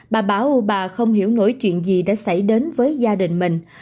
bà bảo bà không hiểu nổi chuyện gì đã xảy đến với gia đình mình